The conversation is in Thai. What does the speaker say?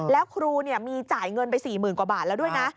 แล้วครูมีจ่ายเงินไป๔๐๐๐กว่าบาทแล้วด้วยนะ